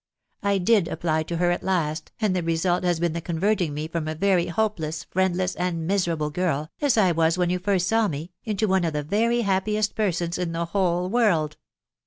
I did apply to hex at last, and the result has been the converting me from a very hope. less, friendless, and miserable girl (as I was when you first saw me), into one of the very happiest persons in the whole world.